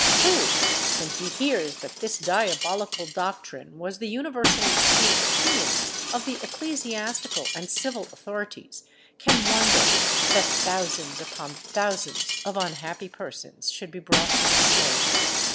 Who, when he hears that this diabolical doctrine was the universally received opinion of the ecclesiastical and civil authorities, can wonder that thousands upon thousands of unhappy persons should be brought to the stake?